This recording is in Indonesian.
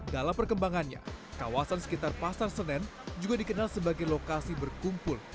dalam perkembangannya kawasan sekitar pasar senen juga dikenal sebagai lokasi berkumpul